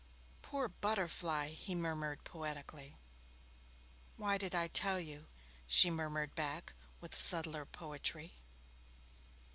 'Poor butterfly!' he murmured poetically. 'Why did I tell you?' she murmured back with subtler poetry.